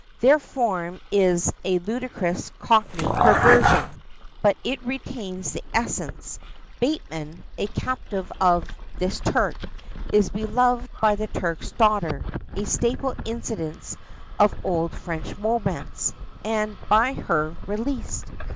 Their form is a ludicrous cockney perversion, but it retains the essence. Bateman, a captive of "this Turk," is beloved by the Turk's daughter (a staple incident of old French romance), and by her released.